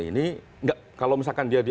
ini kalau misalkan dia